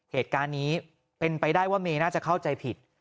เหตุการณ์นี้เป็นไปได้ว่าเมย์น่าจะเข้าใจผิด